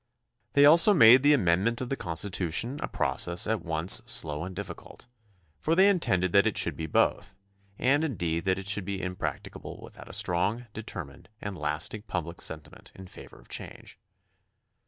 They also made the amendment of the Constitution a process at once slow and difficult, for they intended that it should be both, and indeed that it should be impracticable without a strong, deter mined, and lasting public sentiment in favor of change.